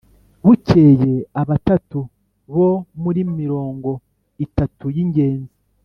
Bukeye abatatu bo muri mirongo itatu y ingenzi